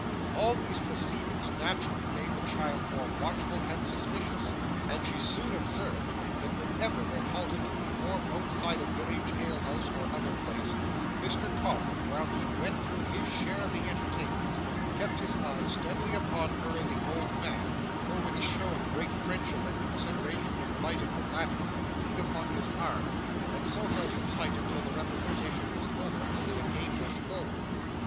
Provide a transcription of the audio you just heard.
All these proceedings naturally made the child more watchful and suspicious, and she soon observed that whenever they halted to perform outside a village alehouse or other place, Mr Codlin while he went through his share of the entertainments kept his eye steadily upon her and the old man, or with a show of great friendship and consideration invited the latter to lean upon his arm, and so held him tight until the representation was over and they again went forward.